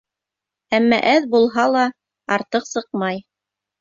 Әммә аҙ булһа була, артыҡ сыҡмай.